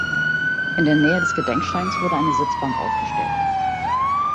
In der Nähe des Gedenksteins wurde eine Sitzbank aufgestellt.